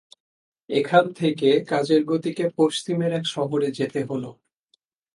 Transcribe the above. এখান থেকে কাজের গতিকে পশ্চিমের এক শহরে যেতে হল।